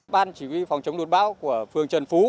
ban chỉ huy phòng chống lụt bão của phường trần phú